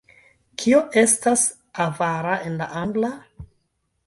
Kio estas avara en la angla?